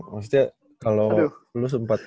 maksudnya kalau lu sempet